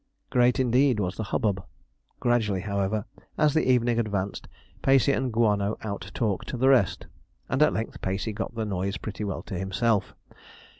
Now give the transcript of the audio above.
Great, indeed, was the hubbub. Gradually, however, as the evening advanced Pacey and Guano out talked the rest, and at length Pacey got the noise pretty well to himself.